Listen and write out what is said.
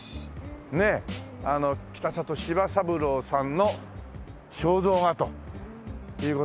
あの北里柴三郎さんの肖像画という事でね。